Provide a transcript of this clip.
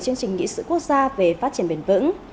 chương trình nghị sự quốc gia về phát triển bền vững